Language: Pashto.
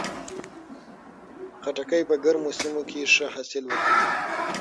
خټکی په ګرمو سیمو کې ښه حاصل ورکوي.